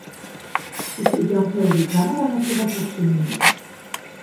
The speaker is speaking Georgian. სუსტი ჯანმრთელობის გამო განათლება სახლში მიიღო.